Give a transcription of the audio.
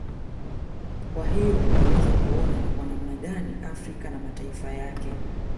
Kwa hiyo unaweza kuona ni kwa namna gani Afrika na mataifa yake